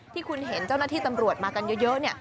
ที่คุณเห็นเจ้าหน้าที่ตำรวจมากันเยอะ